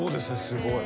すごい。